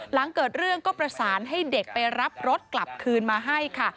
หลังเกิดเรื่องก็ประสานให้เด็กไปรับรถกลับคืนมาให้ค่ะ